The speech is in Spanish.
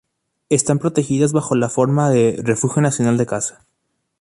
Están protegidas bajo la forma de "Refugio Nacional de Caza".